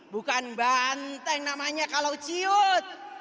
bukan banteng namanya kalau ciut